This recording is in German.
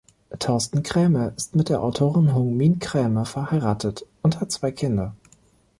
Thorsten Krämer ist mit der Autorin Hung-min Krämer verheiratet und hat zwei Kinder.